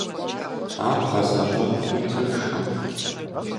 Ар бгъэзэщӏэнуи тыншкъым.